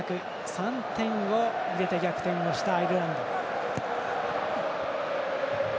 ３点を入れて、逆転をしたアイルランド。